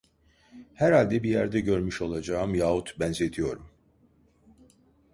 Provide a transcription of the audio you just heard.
Herhalde bir yerde görmüş olacağım, yahut benzetiyorum!